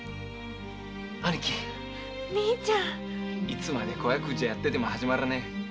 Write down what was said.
いつまで小悪事やってても始まらねえ。